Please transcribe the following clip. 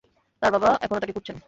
তার বাবা এখনো তাকে খুঁজছেন।